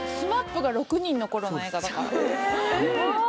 ＳＭＡＰが６人の頃の映画だからえ！